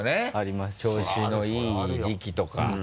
調子のいい時期とか。